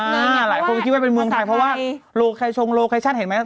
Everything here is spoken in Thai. มีหลายคนคิดว่าเป็นเมืองไทยเพราะว่าโลเคชน์เห็นไหม